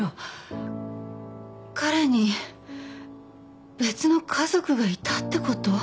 彼に別の家族がいたってこと？